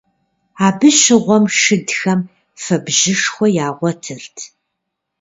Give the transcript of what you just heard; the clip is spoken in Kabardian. Абы щыгъуэм шыдхэм фэбжьышхуэ ягъуэтырт.